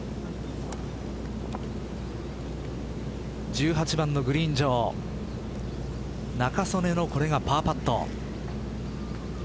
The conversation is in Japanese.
１８番のグリーン上仲宗根のこれがパーパット。